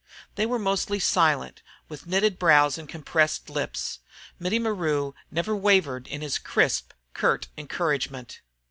They were mostly silent with knitted brows and compressed lips. Mittie Maru never wavered in his crisp, curt encouragement.